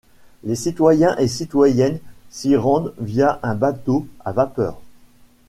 Les citoyens et citoyennes s'y rendent via un bateau à vapeur.